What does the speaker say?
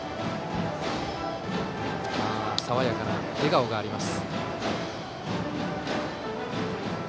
爽やかな笑顔があります。